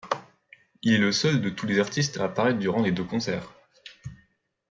Il est le seul de tous les artistes à apparaître durant les deux concerts.